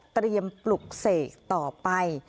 เตรียมปลุกเสกต่อไป